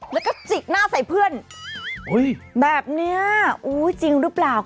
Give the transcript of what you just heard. แล้วก็จิกหน้าใส่เพื่อนแบบนี้อุ้ยจริงหรือเปล่า